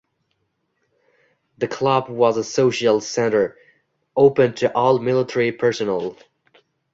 The club was a social centre, open to all military personnel.